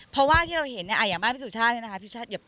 เพราะว่าที่เราเห็นอย่างบ้านพิสูจชาฯนะครับ